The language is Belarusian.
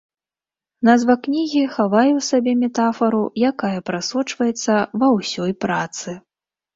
Назва кнігі хавае ў сабе метафару, якая прасочваецца ва ўсёй працы.